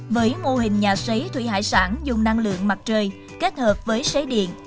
với mô hình nhà sấy thủy hải sản dùng năng lượng mặt trời kết hợp với sấy điện